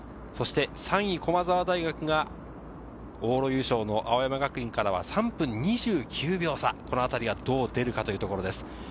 そして３位・駒澤大学が往路優勝の青山学院からは３分２９秒差、このあたりがどうでるかというところです。